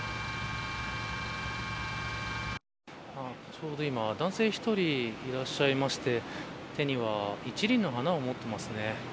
ちょうど今男性１人いらっしゃいまして手には一輪の花を持っていますね。